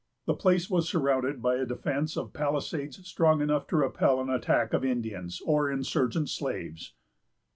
The place was surrounded by a defence of palisades strong enough to repel an attack of Indians, or insurgent slaves.